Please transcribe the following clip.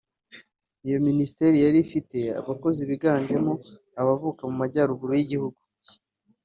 Iyo Minisiteri yari ifite abakozi biganjemo abavuka mu Majyaruguru y’Igihugu